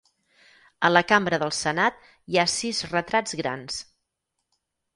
A la cambra del Senat hi ha sis retrats grans.